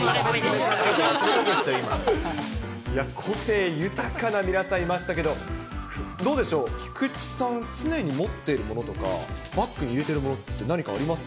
個性豊かな皆さん、いましたけど、どうでしょう、菊池さん、常に持ってるものとか、バッグに入れてるものって何かあります？